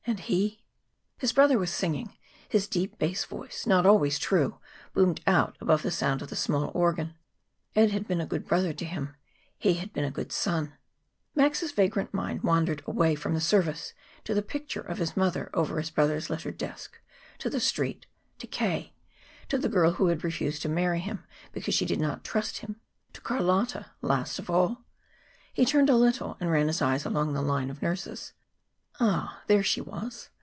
And he His brother was singing. His deep bass voice, not always true, boomed out above the sound of the small organ. Ed had been a good brother to him; he had been a good son. Max's vagrant mind wandered away from the service to the picture of his mother over his brother's littered desk, to the Street, to K., to the girl who had refused to marry him because she did not trust him, to Carlotta last of all. He turned a little and ran his eyes along the line of nurses. Ah, there she was.